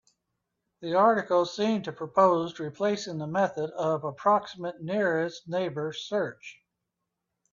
The article seems to propose replacing the method of approximate nearest neighbor search.